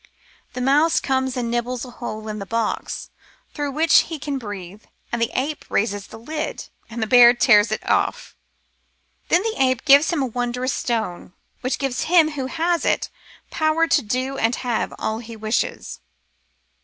The mouse comes and nibbles a hole in the box, through which he can breathe, the ape raises the lid, and the bear tears it off. Then the ape gives him a wondrous stone, which gives to him who has it power to do and have all he wishes.